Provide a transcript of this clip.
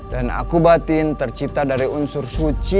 dan aku batin tercipta dari unsur suci